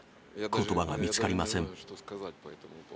ことばが見つかりません。